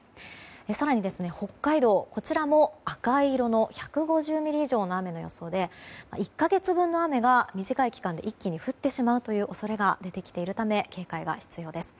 更に北海道も、赤色の１５０ミリ以上の雨の予想で１か月分の雨が短い期間で一気に降ってしまう恐れが出てきているため警戒が必要です。